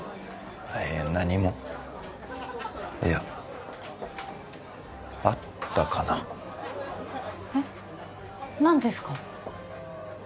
あいや何もいやあったかなえっ何ですか？